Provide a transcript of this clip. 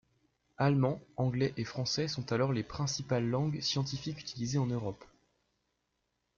Allemand, anglais et français sont alors les principales langues scientifiques utilisées en Europe.